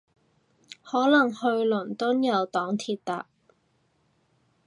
可能去倫敦有黨鐵搭